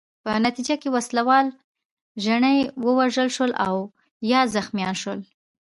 په نتیجه کې وسله وال ژڼي ووژل شول او یا زخمیان شول.